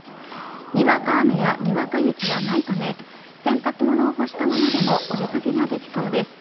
にわか雨や、にわか雪はないため洗濯物を干したままでもお出掛けができそうです。